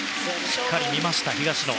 しっかり見ました、東野。